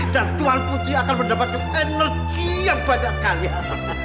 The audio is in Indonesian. dan tuhan putri akan mendapatkan energi yang banyak kalian